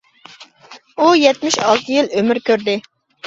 ئۇ يەتمىش ئالتە يىل ئۆمۈر كۆردى.